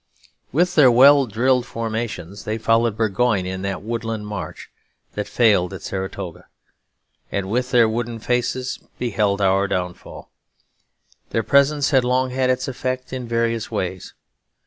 With their well drilled formations they followed Burgoyne in that woodland march that failed at Saratoga; and with their wooden faces beheld our downfall. Their presence had long had its effect in various ways.